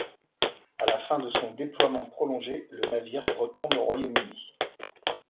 À la fin de son déploiement prolongé, le navire retourne au Royaume-Uni.